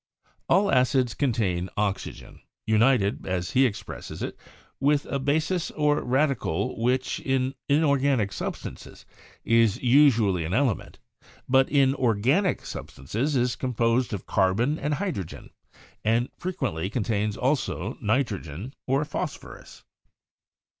3. All acids contain oxygen, united, as he expresses it, with a basis or radical which, in inorganic substances, is usually an element, but in organic substances is composed of carbon and hydrogen, and frequently contains also ni trogen or phosphorus.